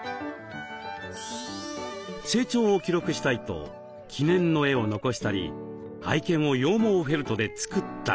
成長を記録したいと記念の絵を残したり愛犬を羊毛フェルトで作ったり。